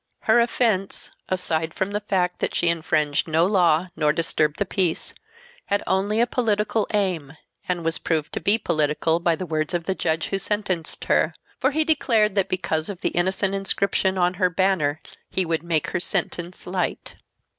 Her offense, aside from the fact that she infringed no law nor disturbed the peace, had only a political aim, and was proved to be political by the words of the judge who sentenced her, for he declared that because of the innocent inscription on her banner he would make her sentence light.